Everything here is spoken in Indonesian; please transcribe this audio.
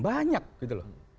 banyak gitu loh